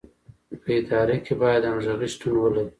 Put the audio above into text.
په اداره کې باید همغږي شتون ولري.